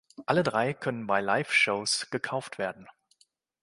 Alle drei können bei Live-Shows gekauft werden.